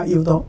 ba yếu tố